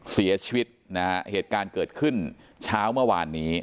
เสียชีวิตนะฮะเหตุการณ์เกิดขึ้นเช้าเมื่อวานนี้